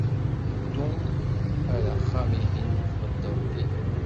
Ddu ar axxam-ihin tbeddeḍ din!